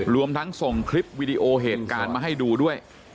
รวมทั้งส่งคลิปวิดีโอเหตุการณ์มาให้ดูด้วย